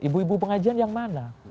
ibu ibu pengajian yang mana